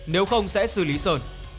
nếu không sẽ xử lý sơn